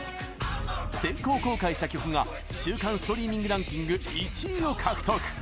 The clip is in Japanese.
先行公開した曲が週間ストリーミングランキング１位を獲得。